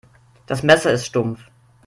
Das Messer ist stumpf.